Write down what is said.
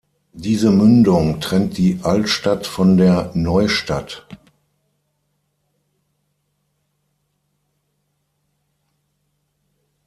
Diese Mündung trennt die Altstadt von der Neustadt.